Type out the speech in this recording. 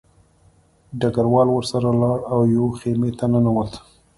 ډګروال ورسره لاړ او یوې خیمې ته ننوت